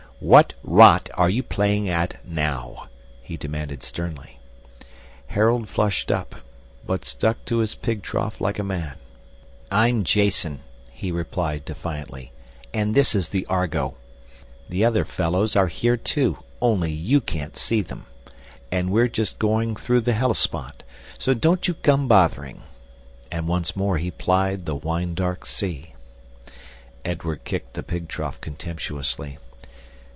"What rot are you playing at now?" he demanded sternly. Harold flushed up, but stuck to his pig trough like a man. "I'm Jason," he replied, defiantly; "and this is the Argo. The other fellows are here too, only you can't see them; and we're just going through the Hellespont, so don't you come bothering." And once more he plied the wine dark sea. Edward kicked the pig trough contemptuously.